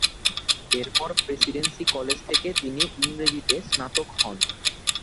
এরপর প্রেসিডেন্সি কলেজ থেকে তিনি ইংরেজিতে স্নাতক হন।